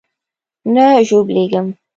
نه ژوبلېږم.